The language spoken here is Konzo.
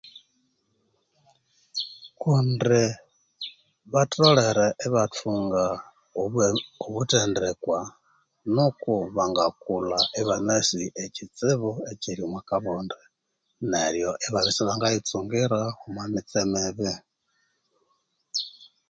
Kundi batholere ibathunga obuthendekwa nuku bangakulha ibanasi ekitsibi echiri omwakabonde neryo ibwabya sibangayitsungira omwamitse mibi